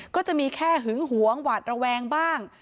ก็จะมีแค่หึงหวงหวาดระแวงบ้าง